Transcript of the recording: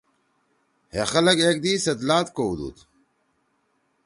ہے خلگ ایکدئی سیت لات کؤدُود۔